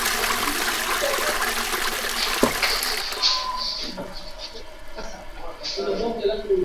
maofisa wa kura ya maamuzi ya uhuru wa sudan kusini wametangaza matokeo ya awali